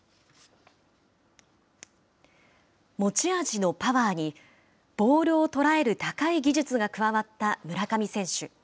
持ち味のパワーに、ボールを捉える高い技術が加わった村上選手。